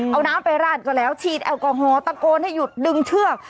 เอาน้ำไปราดก็แล้วฉีดแอลกอฮอลตะโกนให้หยุดดึงเชือก